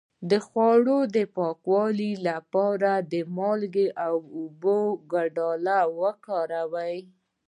د خوړو د پاکوالي لپاره د مالګې او اوبو ګډول وکاروئ